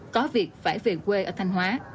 có việc phải về quê ở thành hóa